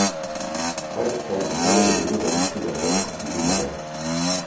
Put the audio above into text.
Halbzeit mehr oder weniger nutzlos am rechten Flügel herum.